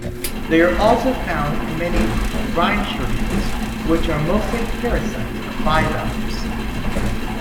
They are also found in many rhynchodids, which are mostly parasites of bivalves.